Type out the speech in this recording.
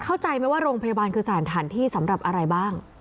เข้าใจไหมว่าโรงพยาบาลคือสถานที่สำหรับอะไรบ้าง